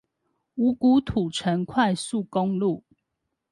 五股土城快速公路